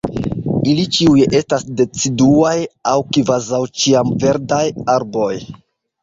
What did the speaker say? Ili ĉiuj estas deciduaj aŭ kvazaŭ-ĉiamverdaj arboj.